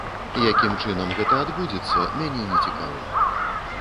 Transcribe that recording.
Якім чынам гэта адбудзецца, мяне не цікавіла.